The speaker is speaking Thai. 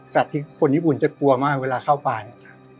ที่คนญี่ปุ่นจะกลัวมากเวลาเข้าป่าเนี่ย